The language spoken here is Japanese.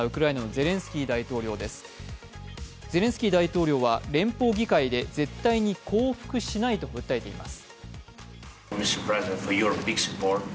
ゼレンスキー大統領は連邦議会で絶対に降伏しないと訴えています。